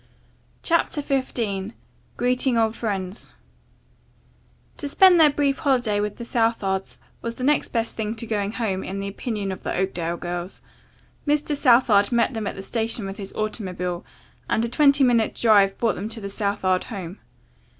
CHAPTER XV GREETING OLD FRIENDS To spend their brief holiday with the Southards was the next best thing to going home, in the opinion of the Oakdale girls. Mr. Southard met them at the station with his automobile, and a twenty minutes' drive brought them to the Southard home.